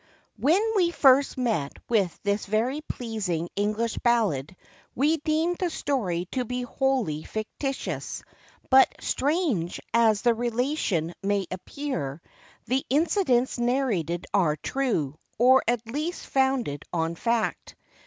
[WHEN we first met with this very pleasing English ballad, we deemed the story to be wholly fictitious, but 'strange' as the 'relation' may appear, the incidents narrated are 'true' or at least founded on fact.